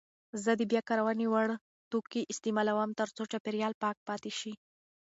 زه د بیاکارونې وړ توکي استعمالوم ترڅو چاپیریال پاک پاتې شي.